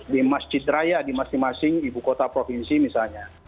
di masjid raya di masing masing ibu kota provinsi misalnya